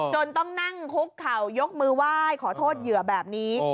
ต้องนั่งคุกเข่ายกมือไหว้ขอโทษเหยื่อแบบนี้